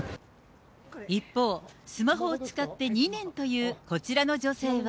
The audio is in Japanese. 一方、スマホを使って２年というこちらの女性は。